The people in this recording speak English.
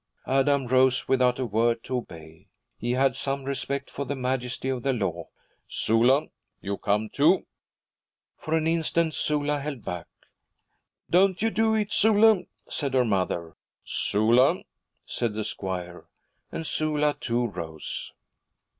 Adam rose without a word, to obey. He had some respect for the majesty of the law. 'Sula, you come, too.' For an instant Sula held back. 'Don't you do it, Sula,' said her mother. 'Sula!' said the squire; and Sula, too, rose.